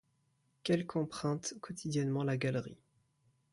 Quelque empruntent quotidiennement la galerie.